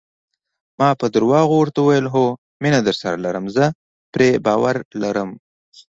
ما په درواغو ورته وویل: هو، مینه درسره لرم، زه پرې باور لرم.